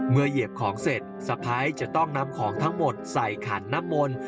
เหยียบของเสร็จสะพ้ายจะต้องนำของทั้งหมดใส่ขันน้ำมนต์